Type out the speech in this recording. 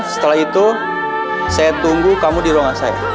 setelah itu saya tunggu kamu di ruangan saya